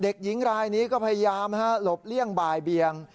หญิงรายนี้ก็พยายามหลบเลี่ยงบ่ายเบียง